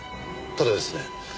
ただですね